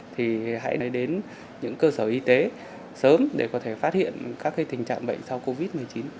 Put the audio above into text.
thì hãy đến những cơ sở y tế sớm để có thể phát hiện các tình trạng bệnh sau covid một mươi chín